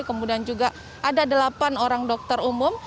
kemudian juga ada delapan orang dokter umum